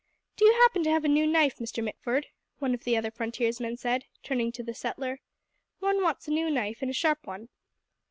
"Do you happen to have a new knife, Mr. Mitford?" one of the other frontiersmen said, turning to the settler. "One wants a new knife and a sharp one."